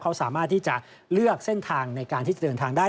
เขาสามารถที่จะเลือกเส้นทางในการที่จะเดินทางได้